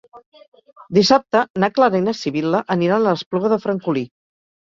Dissabte na Clara i na Sibil·la aniran a l'Espluga de Francolí.